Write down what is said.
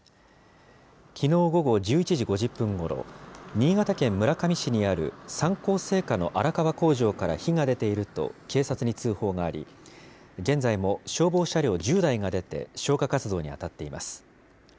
きのう午後１１時５０分ごろ、新潟県村上市にある三幸製菓の荒川工場から火が出ていると警察に通報があり、現在も消防車両１０台が出て、消火活動に当たっています。